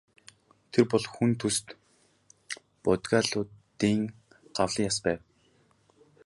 Тэр бол хүн төст бодгалиудын гавлын яс байв.